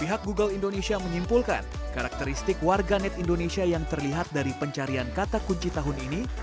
pihak google indonesia menyimpulkan karakteristik warga net indonesia yang terlihat dari pencarian kata kunci tahun ini